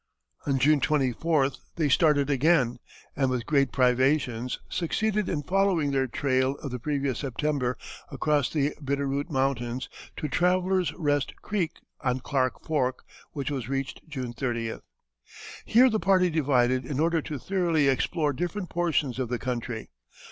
On June 24th they started again, and with great privations succeeded in following their trail of the previous September across the Bitterroot Mountains to Traveller's rest Creek, on Clark Fork, which was reached June 30th. Here the party divided in order to thoroughly explore different portions of the country.